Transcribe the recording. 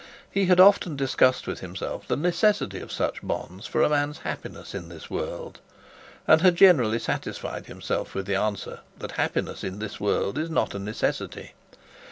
He had often discussed with himself the necessity of such bonds for a man's happiness in this world, and had generally satisfied himself with the answer that happiness in this world was not a necessity.